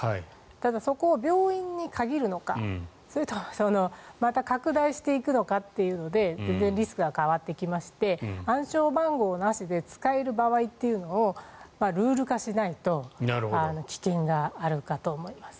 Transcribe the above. ただ、そこを病院に限るのかそれともまた拡大していくのかというので全然リスクが変わってきまして暗証番号なしで使える場合というのをルール化しないと危険があるかと思います。